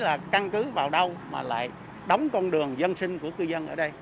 là căn cứ vào đâu mà lại đóng con đường dân sinh của cư dân ở đây